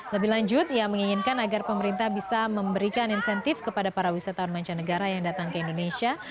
lebih lanjut ia menginginkan agar pemerintah bisa memberikan insentif kepada para wisatawan mancanegara yang datang ke indonesia